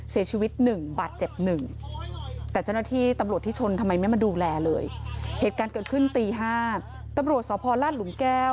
เสียชีวิตหนึ่งบาดเจ็บหนึ่ง